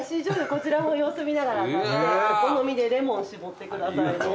こちらも様子見ながらお好みでレモン搾ってくださいね。